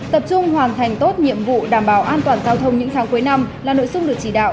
tập trung hoàn thành tốt nhiệm vụ đảm bảo an toàn giao thông những tháng cuối năm là nội dung được chỉ đạo